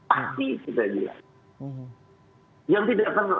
pasti terjadi lagi